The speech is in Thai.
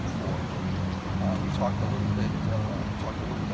ขอขอบคุณค่ะ